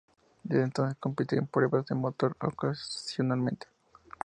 Desde entonces compite en pruebas de motor ocasionalmente.